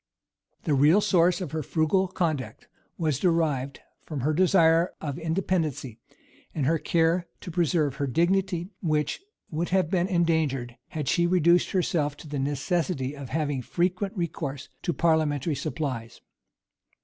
The real source of her frugal conduct was derived from her desire of independency, and her care to preserve her dignity, which would have been endangered had she reduced herself to the necessity of having frequent recourse to parliamentary supplies.